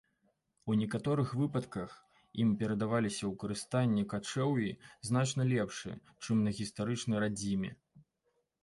У некаторых выпадках ім перадаваліся ў карыстанне качэўі значна лепшыя, чым на гістарычнай радзіме.